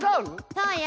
そうよ。